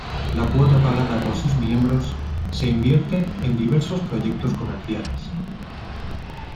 La cuota pagada por sus miembros se invierte en diversos proyectos comerciales.